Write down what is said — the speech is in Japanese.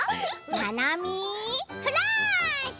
「ななみフラッシュ」。